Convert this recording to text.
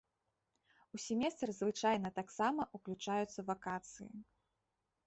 У семестр звычайна таксама ўключаюцца вакацыі.